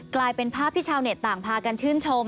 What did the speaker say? กลายเป็นภาพที่ชาวเน็ตต่างพากันชื่นชม